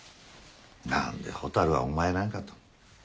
何で蛍はお前なんかと。